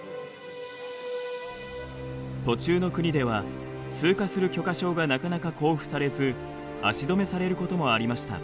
途中の国では通過する許可証がなかなか交付されず足止めされることもありました。